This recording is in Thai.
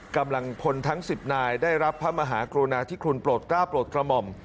กำลังพลทั้ง๑๐นายได้รับพระมหากรุณาธิคุณโปรดกล้าโปรดกระหม่อม